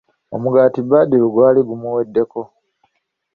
Omugaati Badru gwali gumuweddeko!